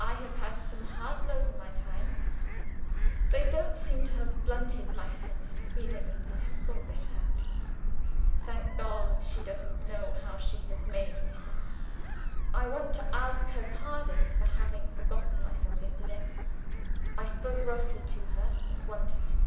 I have had some hard blows in my time: they don't seem to have blunted my sense of feeling as I thought they had. Thank God, she doesn't know how she has made me suffer! I want to ask her pardon for having forgotten myself yesterday. I spoke roughly to her, at one time.